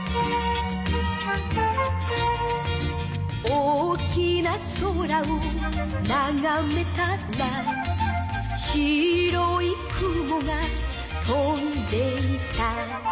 「大きな空をながめたら」「白い雲が飛んでいた」